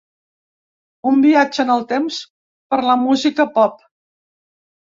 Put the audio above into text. Un viatge en el temps per la música pop.